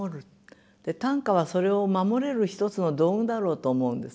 短歌はそれを守れる一つの道具だろうと思うんですね。